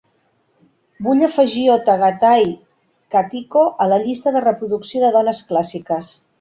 Vull afegir Ottagathai Kattiko a la llista de reproducció de dones clàssiques.